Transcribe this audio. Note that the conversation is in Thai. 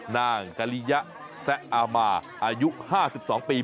นางกะลิยะแสะอามาอายุห้าสิบสองปี